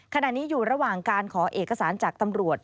ขณะนี้อยู่ระหว่างการขอเอกสารจากตำรวจ